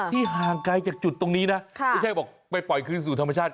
ที่ห่างไกลจากจุดตรงนี้นะค่ะไม่ใช่บอกไปคืนสู่ธรรมชาติ